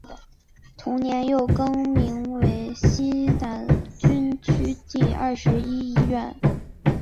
同年又更名为西南军区第二十一医院。